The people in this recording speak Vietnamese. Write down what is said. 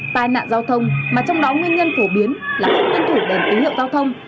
tai nạn giao thông mà trong đó nguyên nhân phổ biến là không tuân thủ đèn tín hiệu giao thông